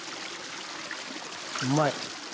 うまい。